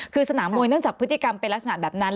คือสนามมวยเนื่องจากพฤติกรรมเป็นลักษณะแบบนั้น